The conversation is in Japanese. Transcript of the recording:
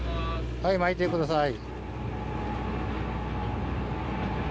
はい巻いてください。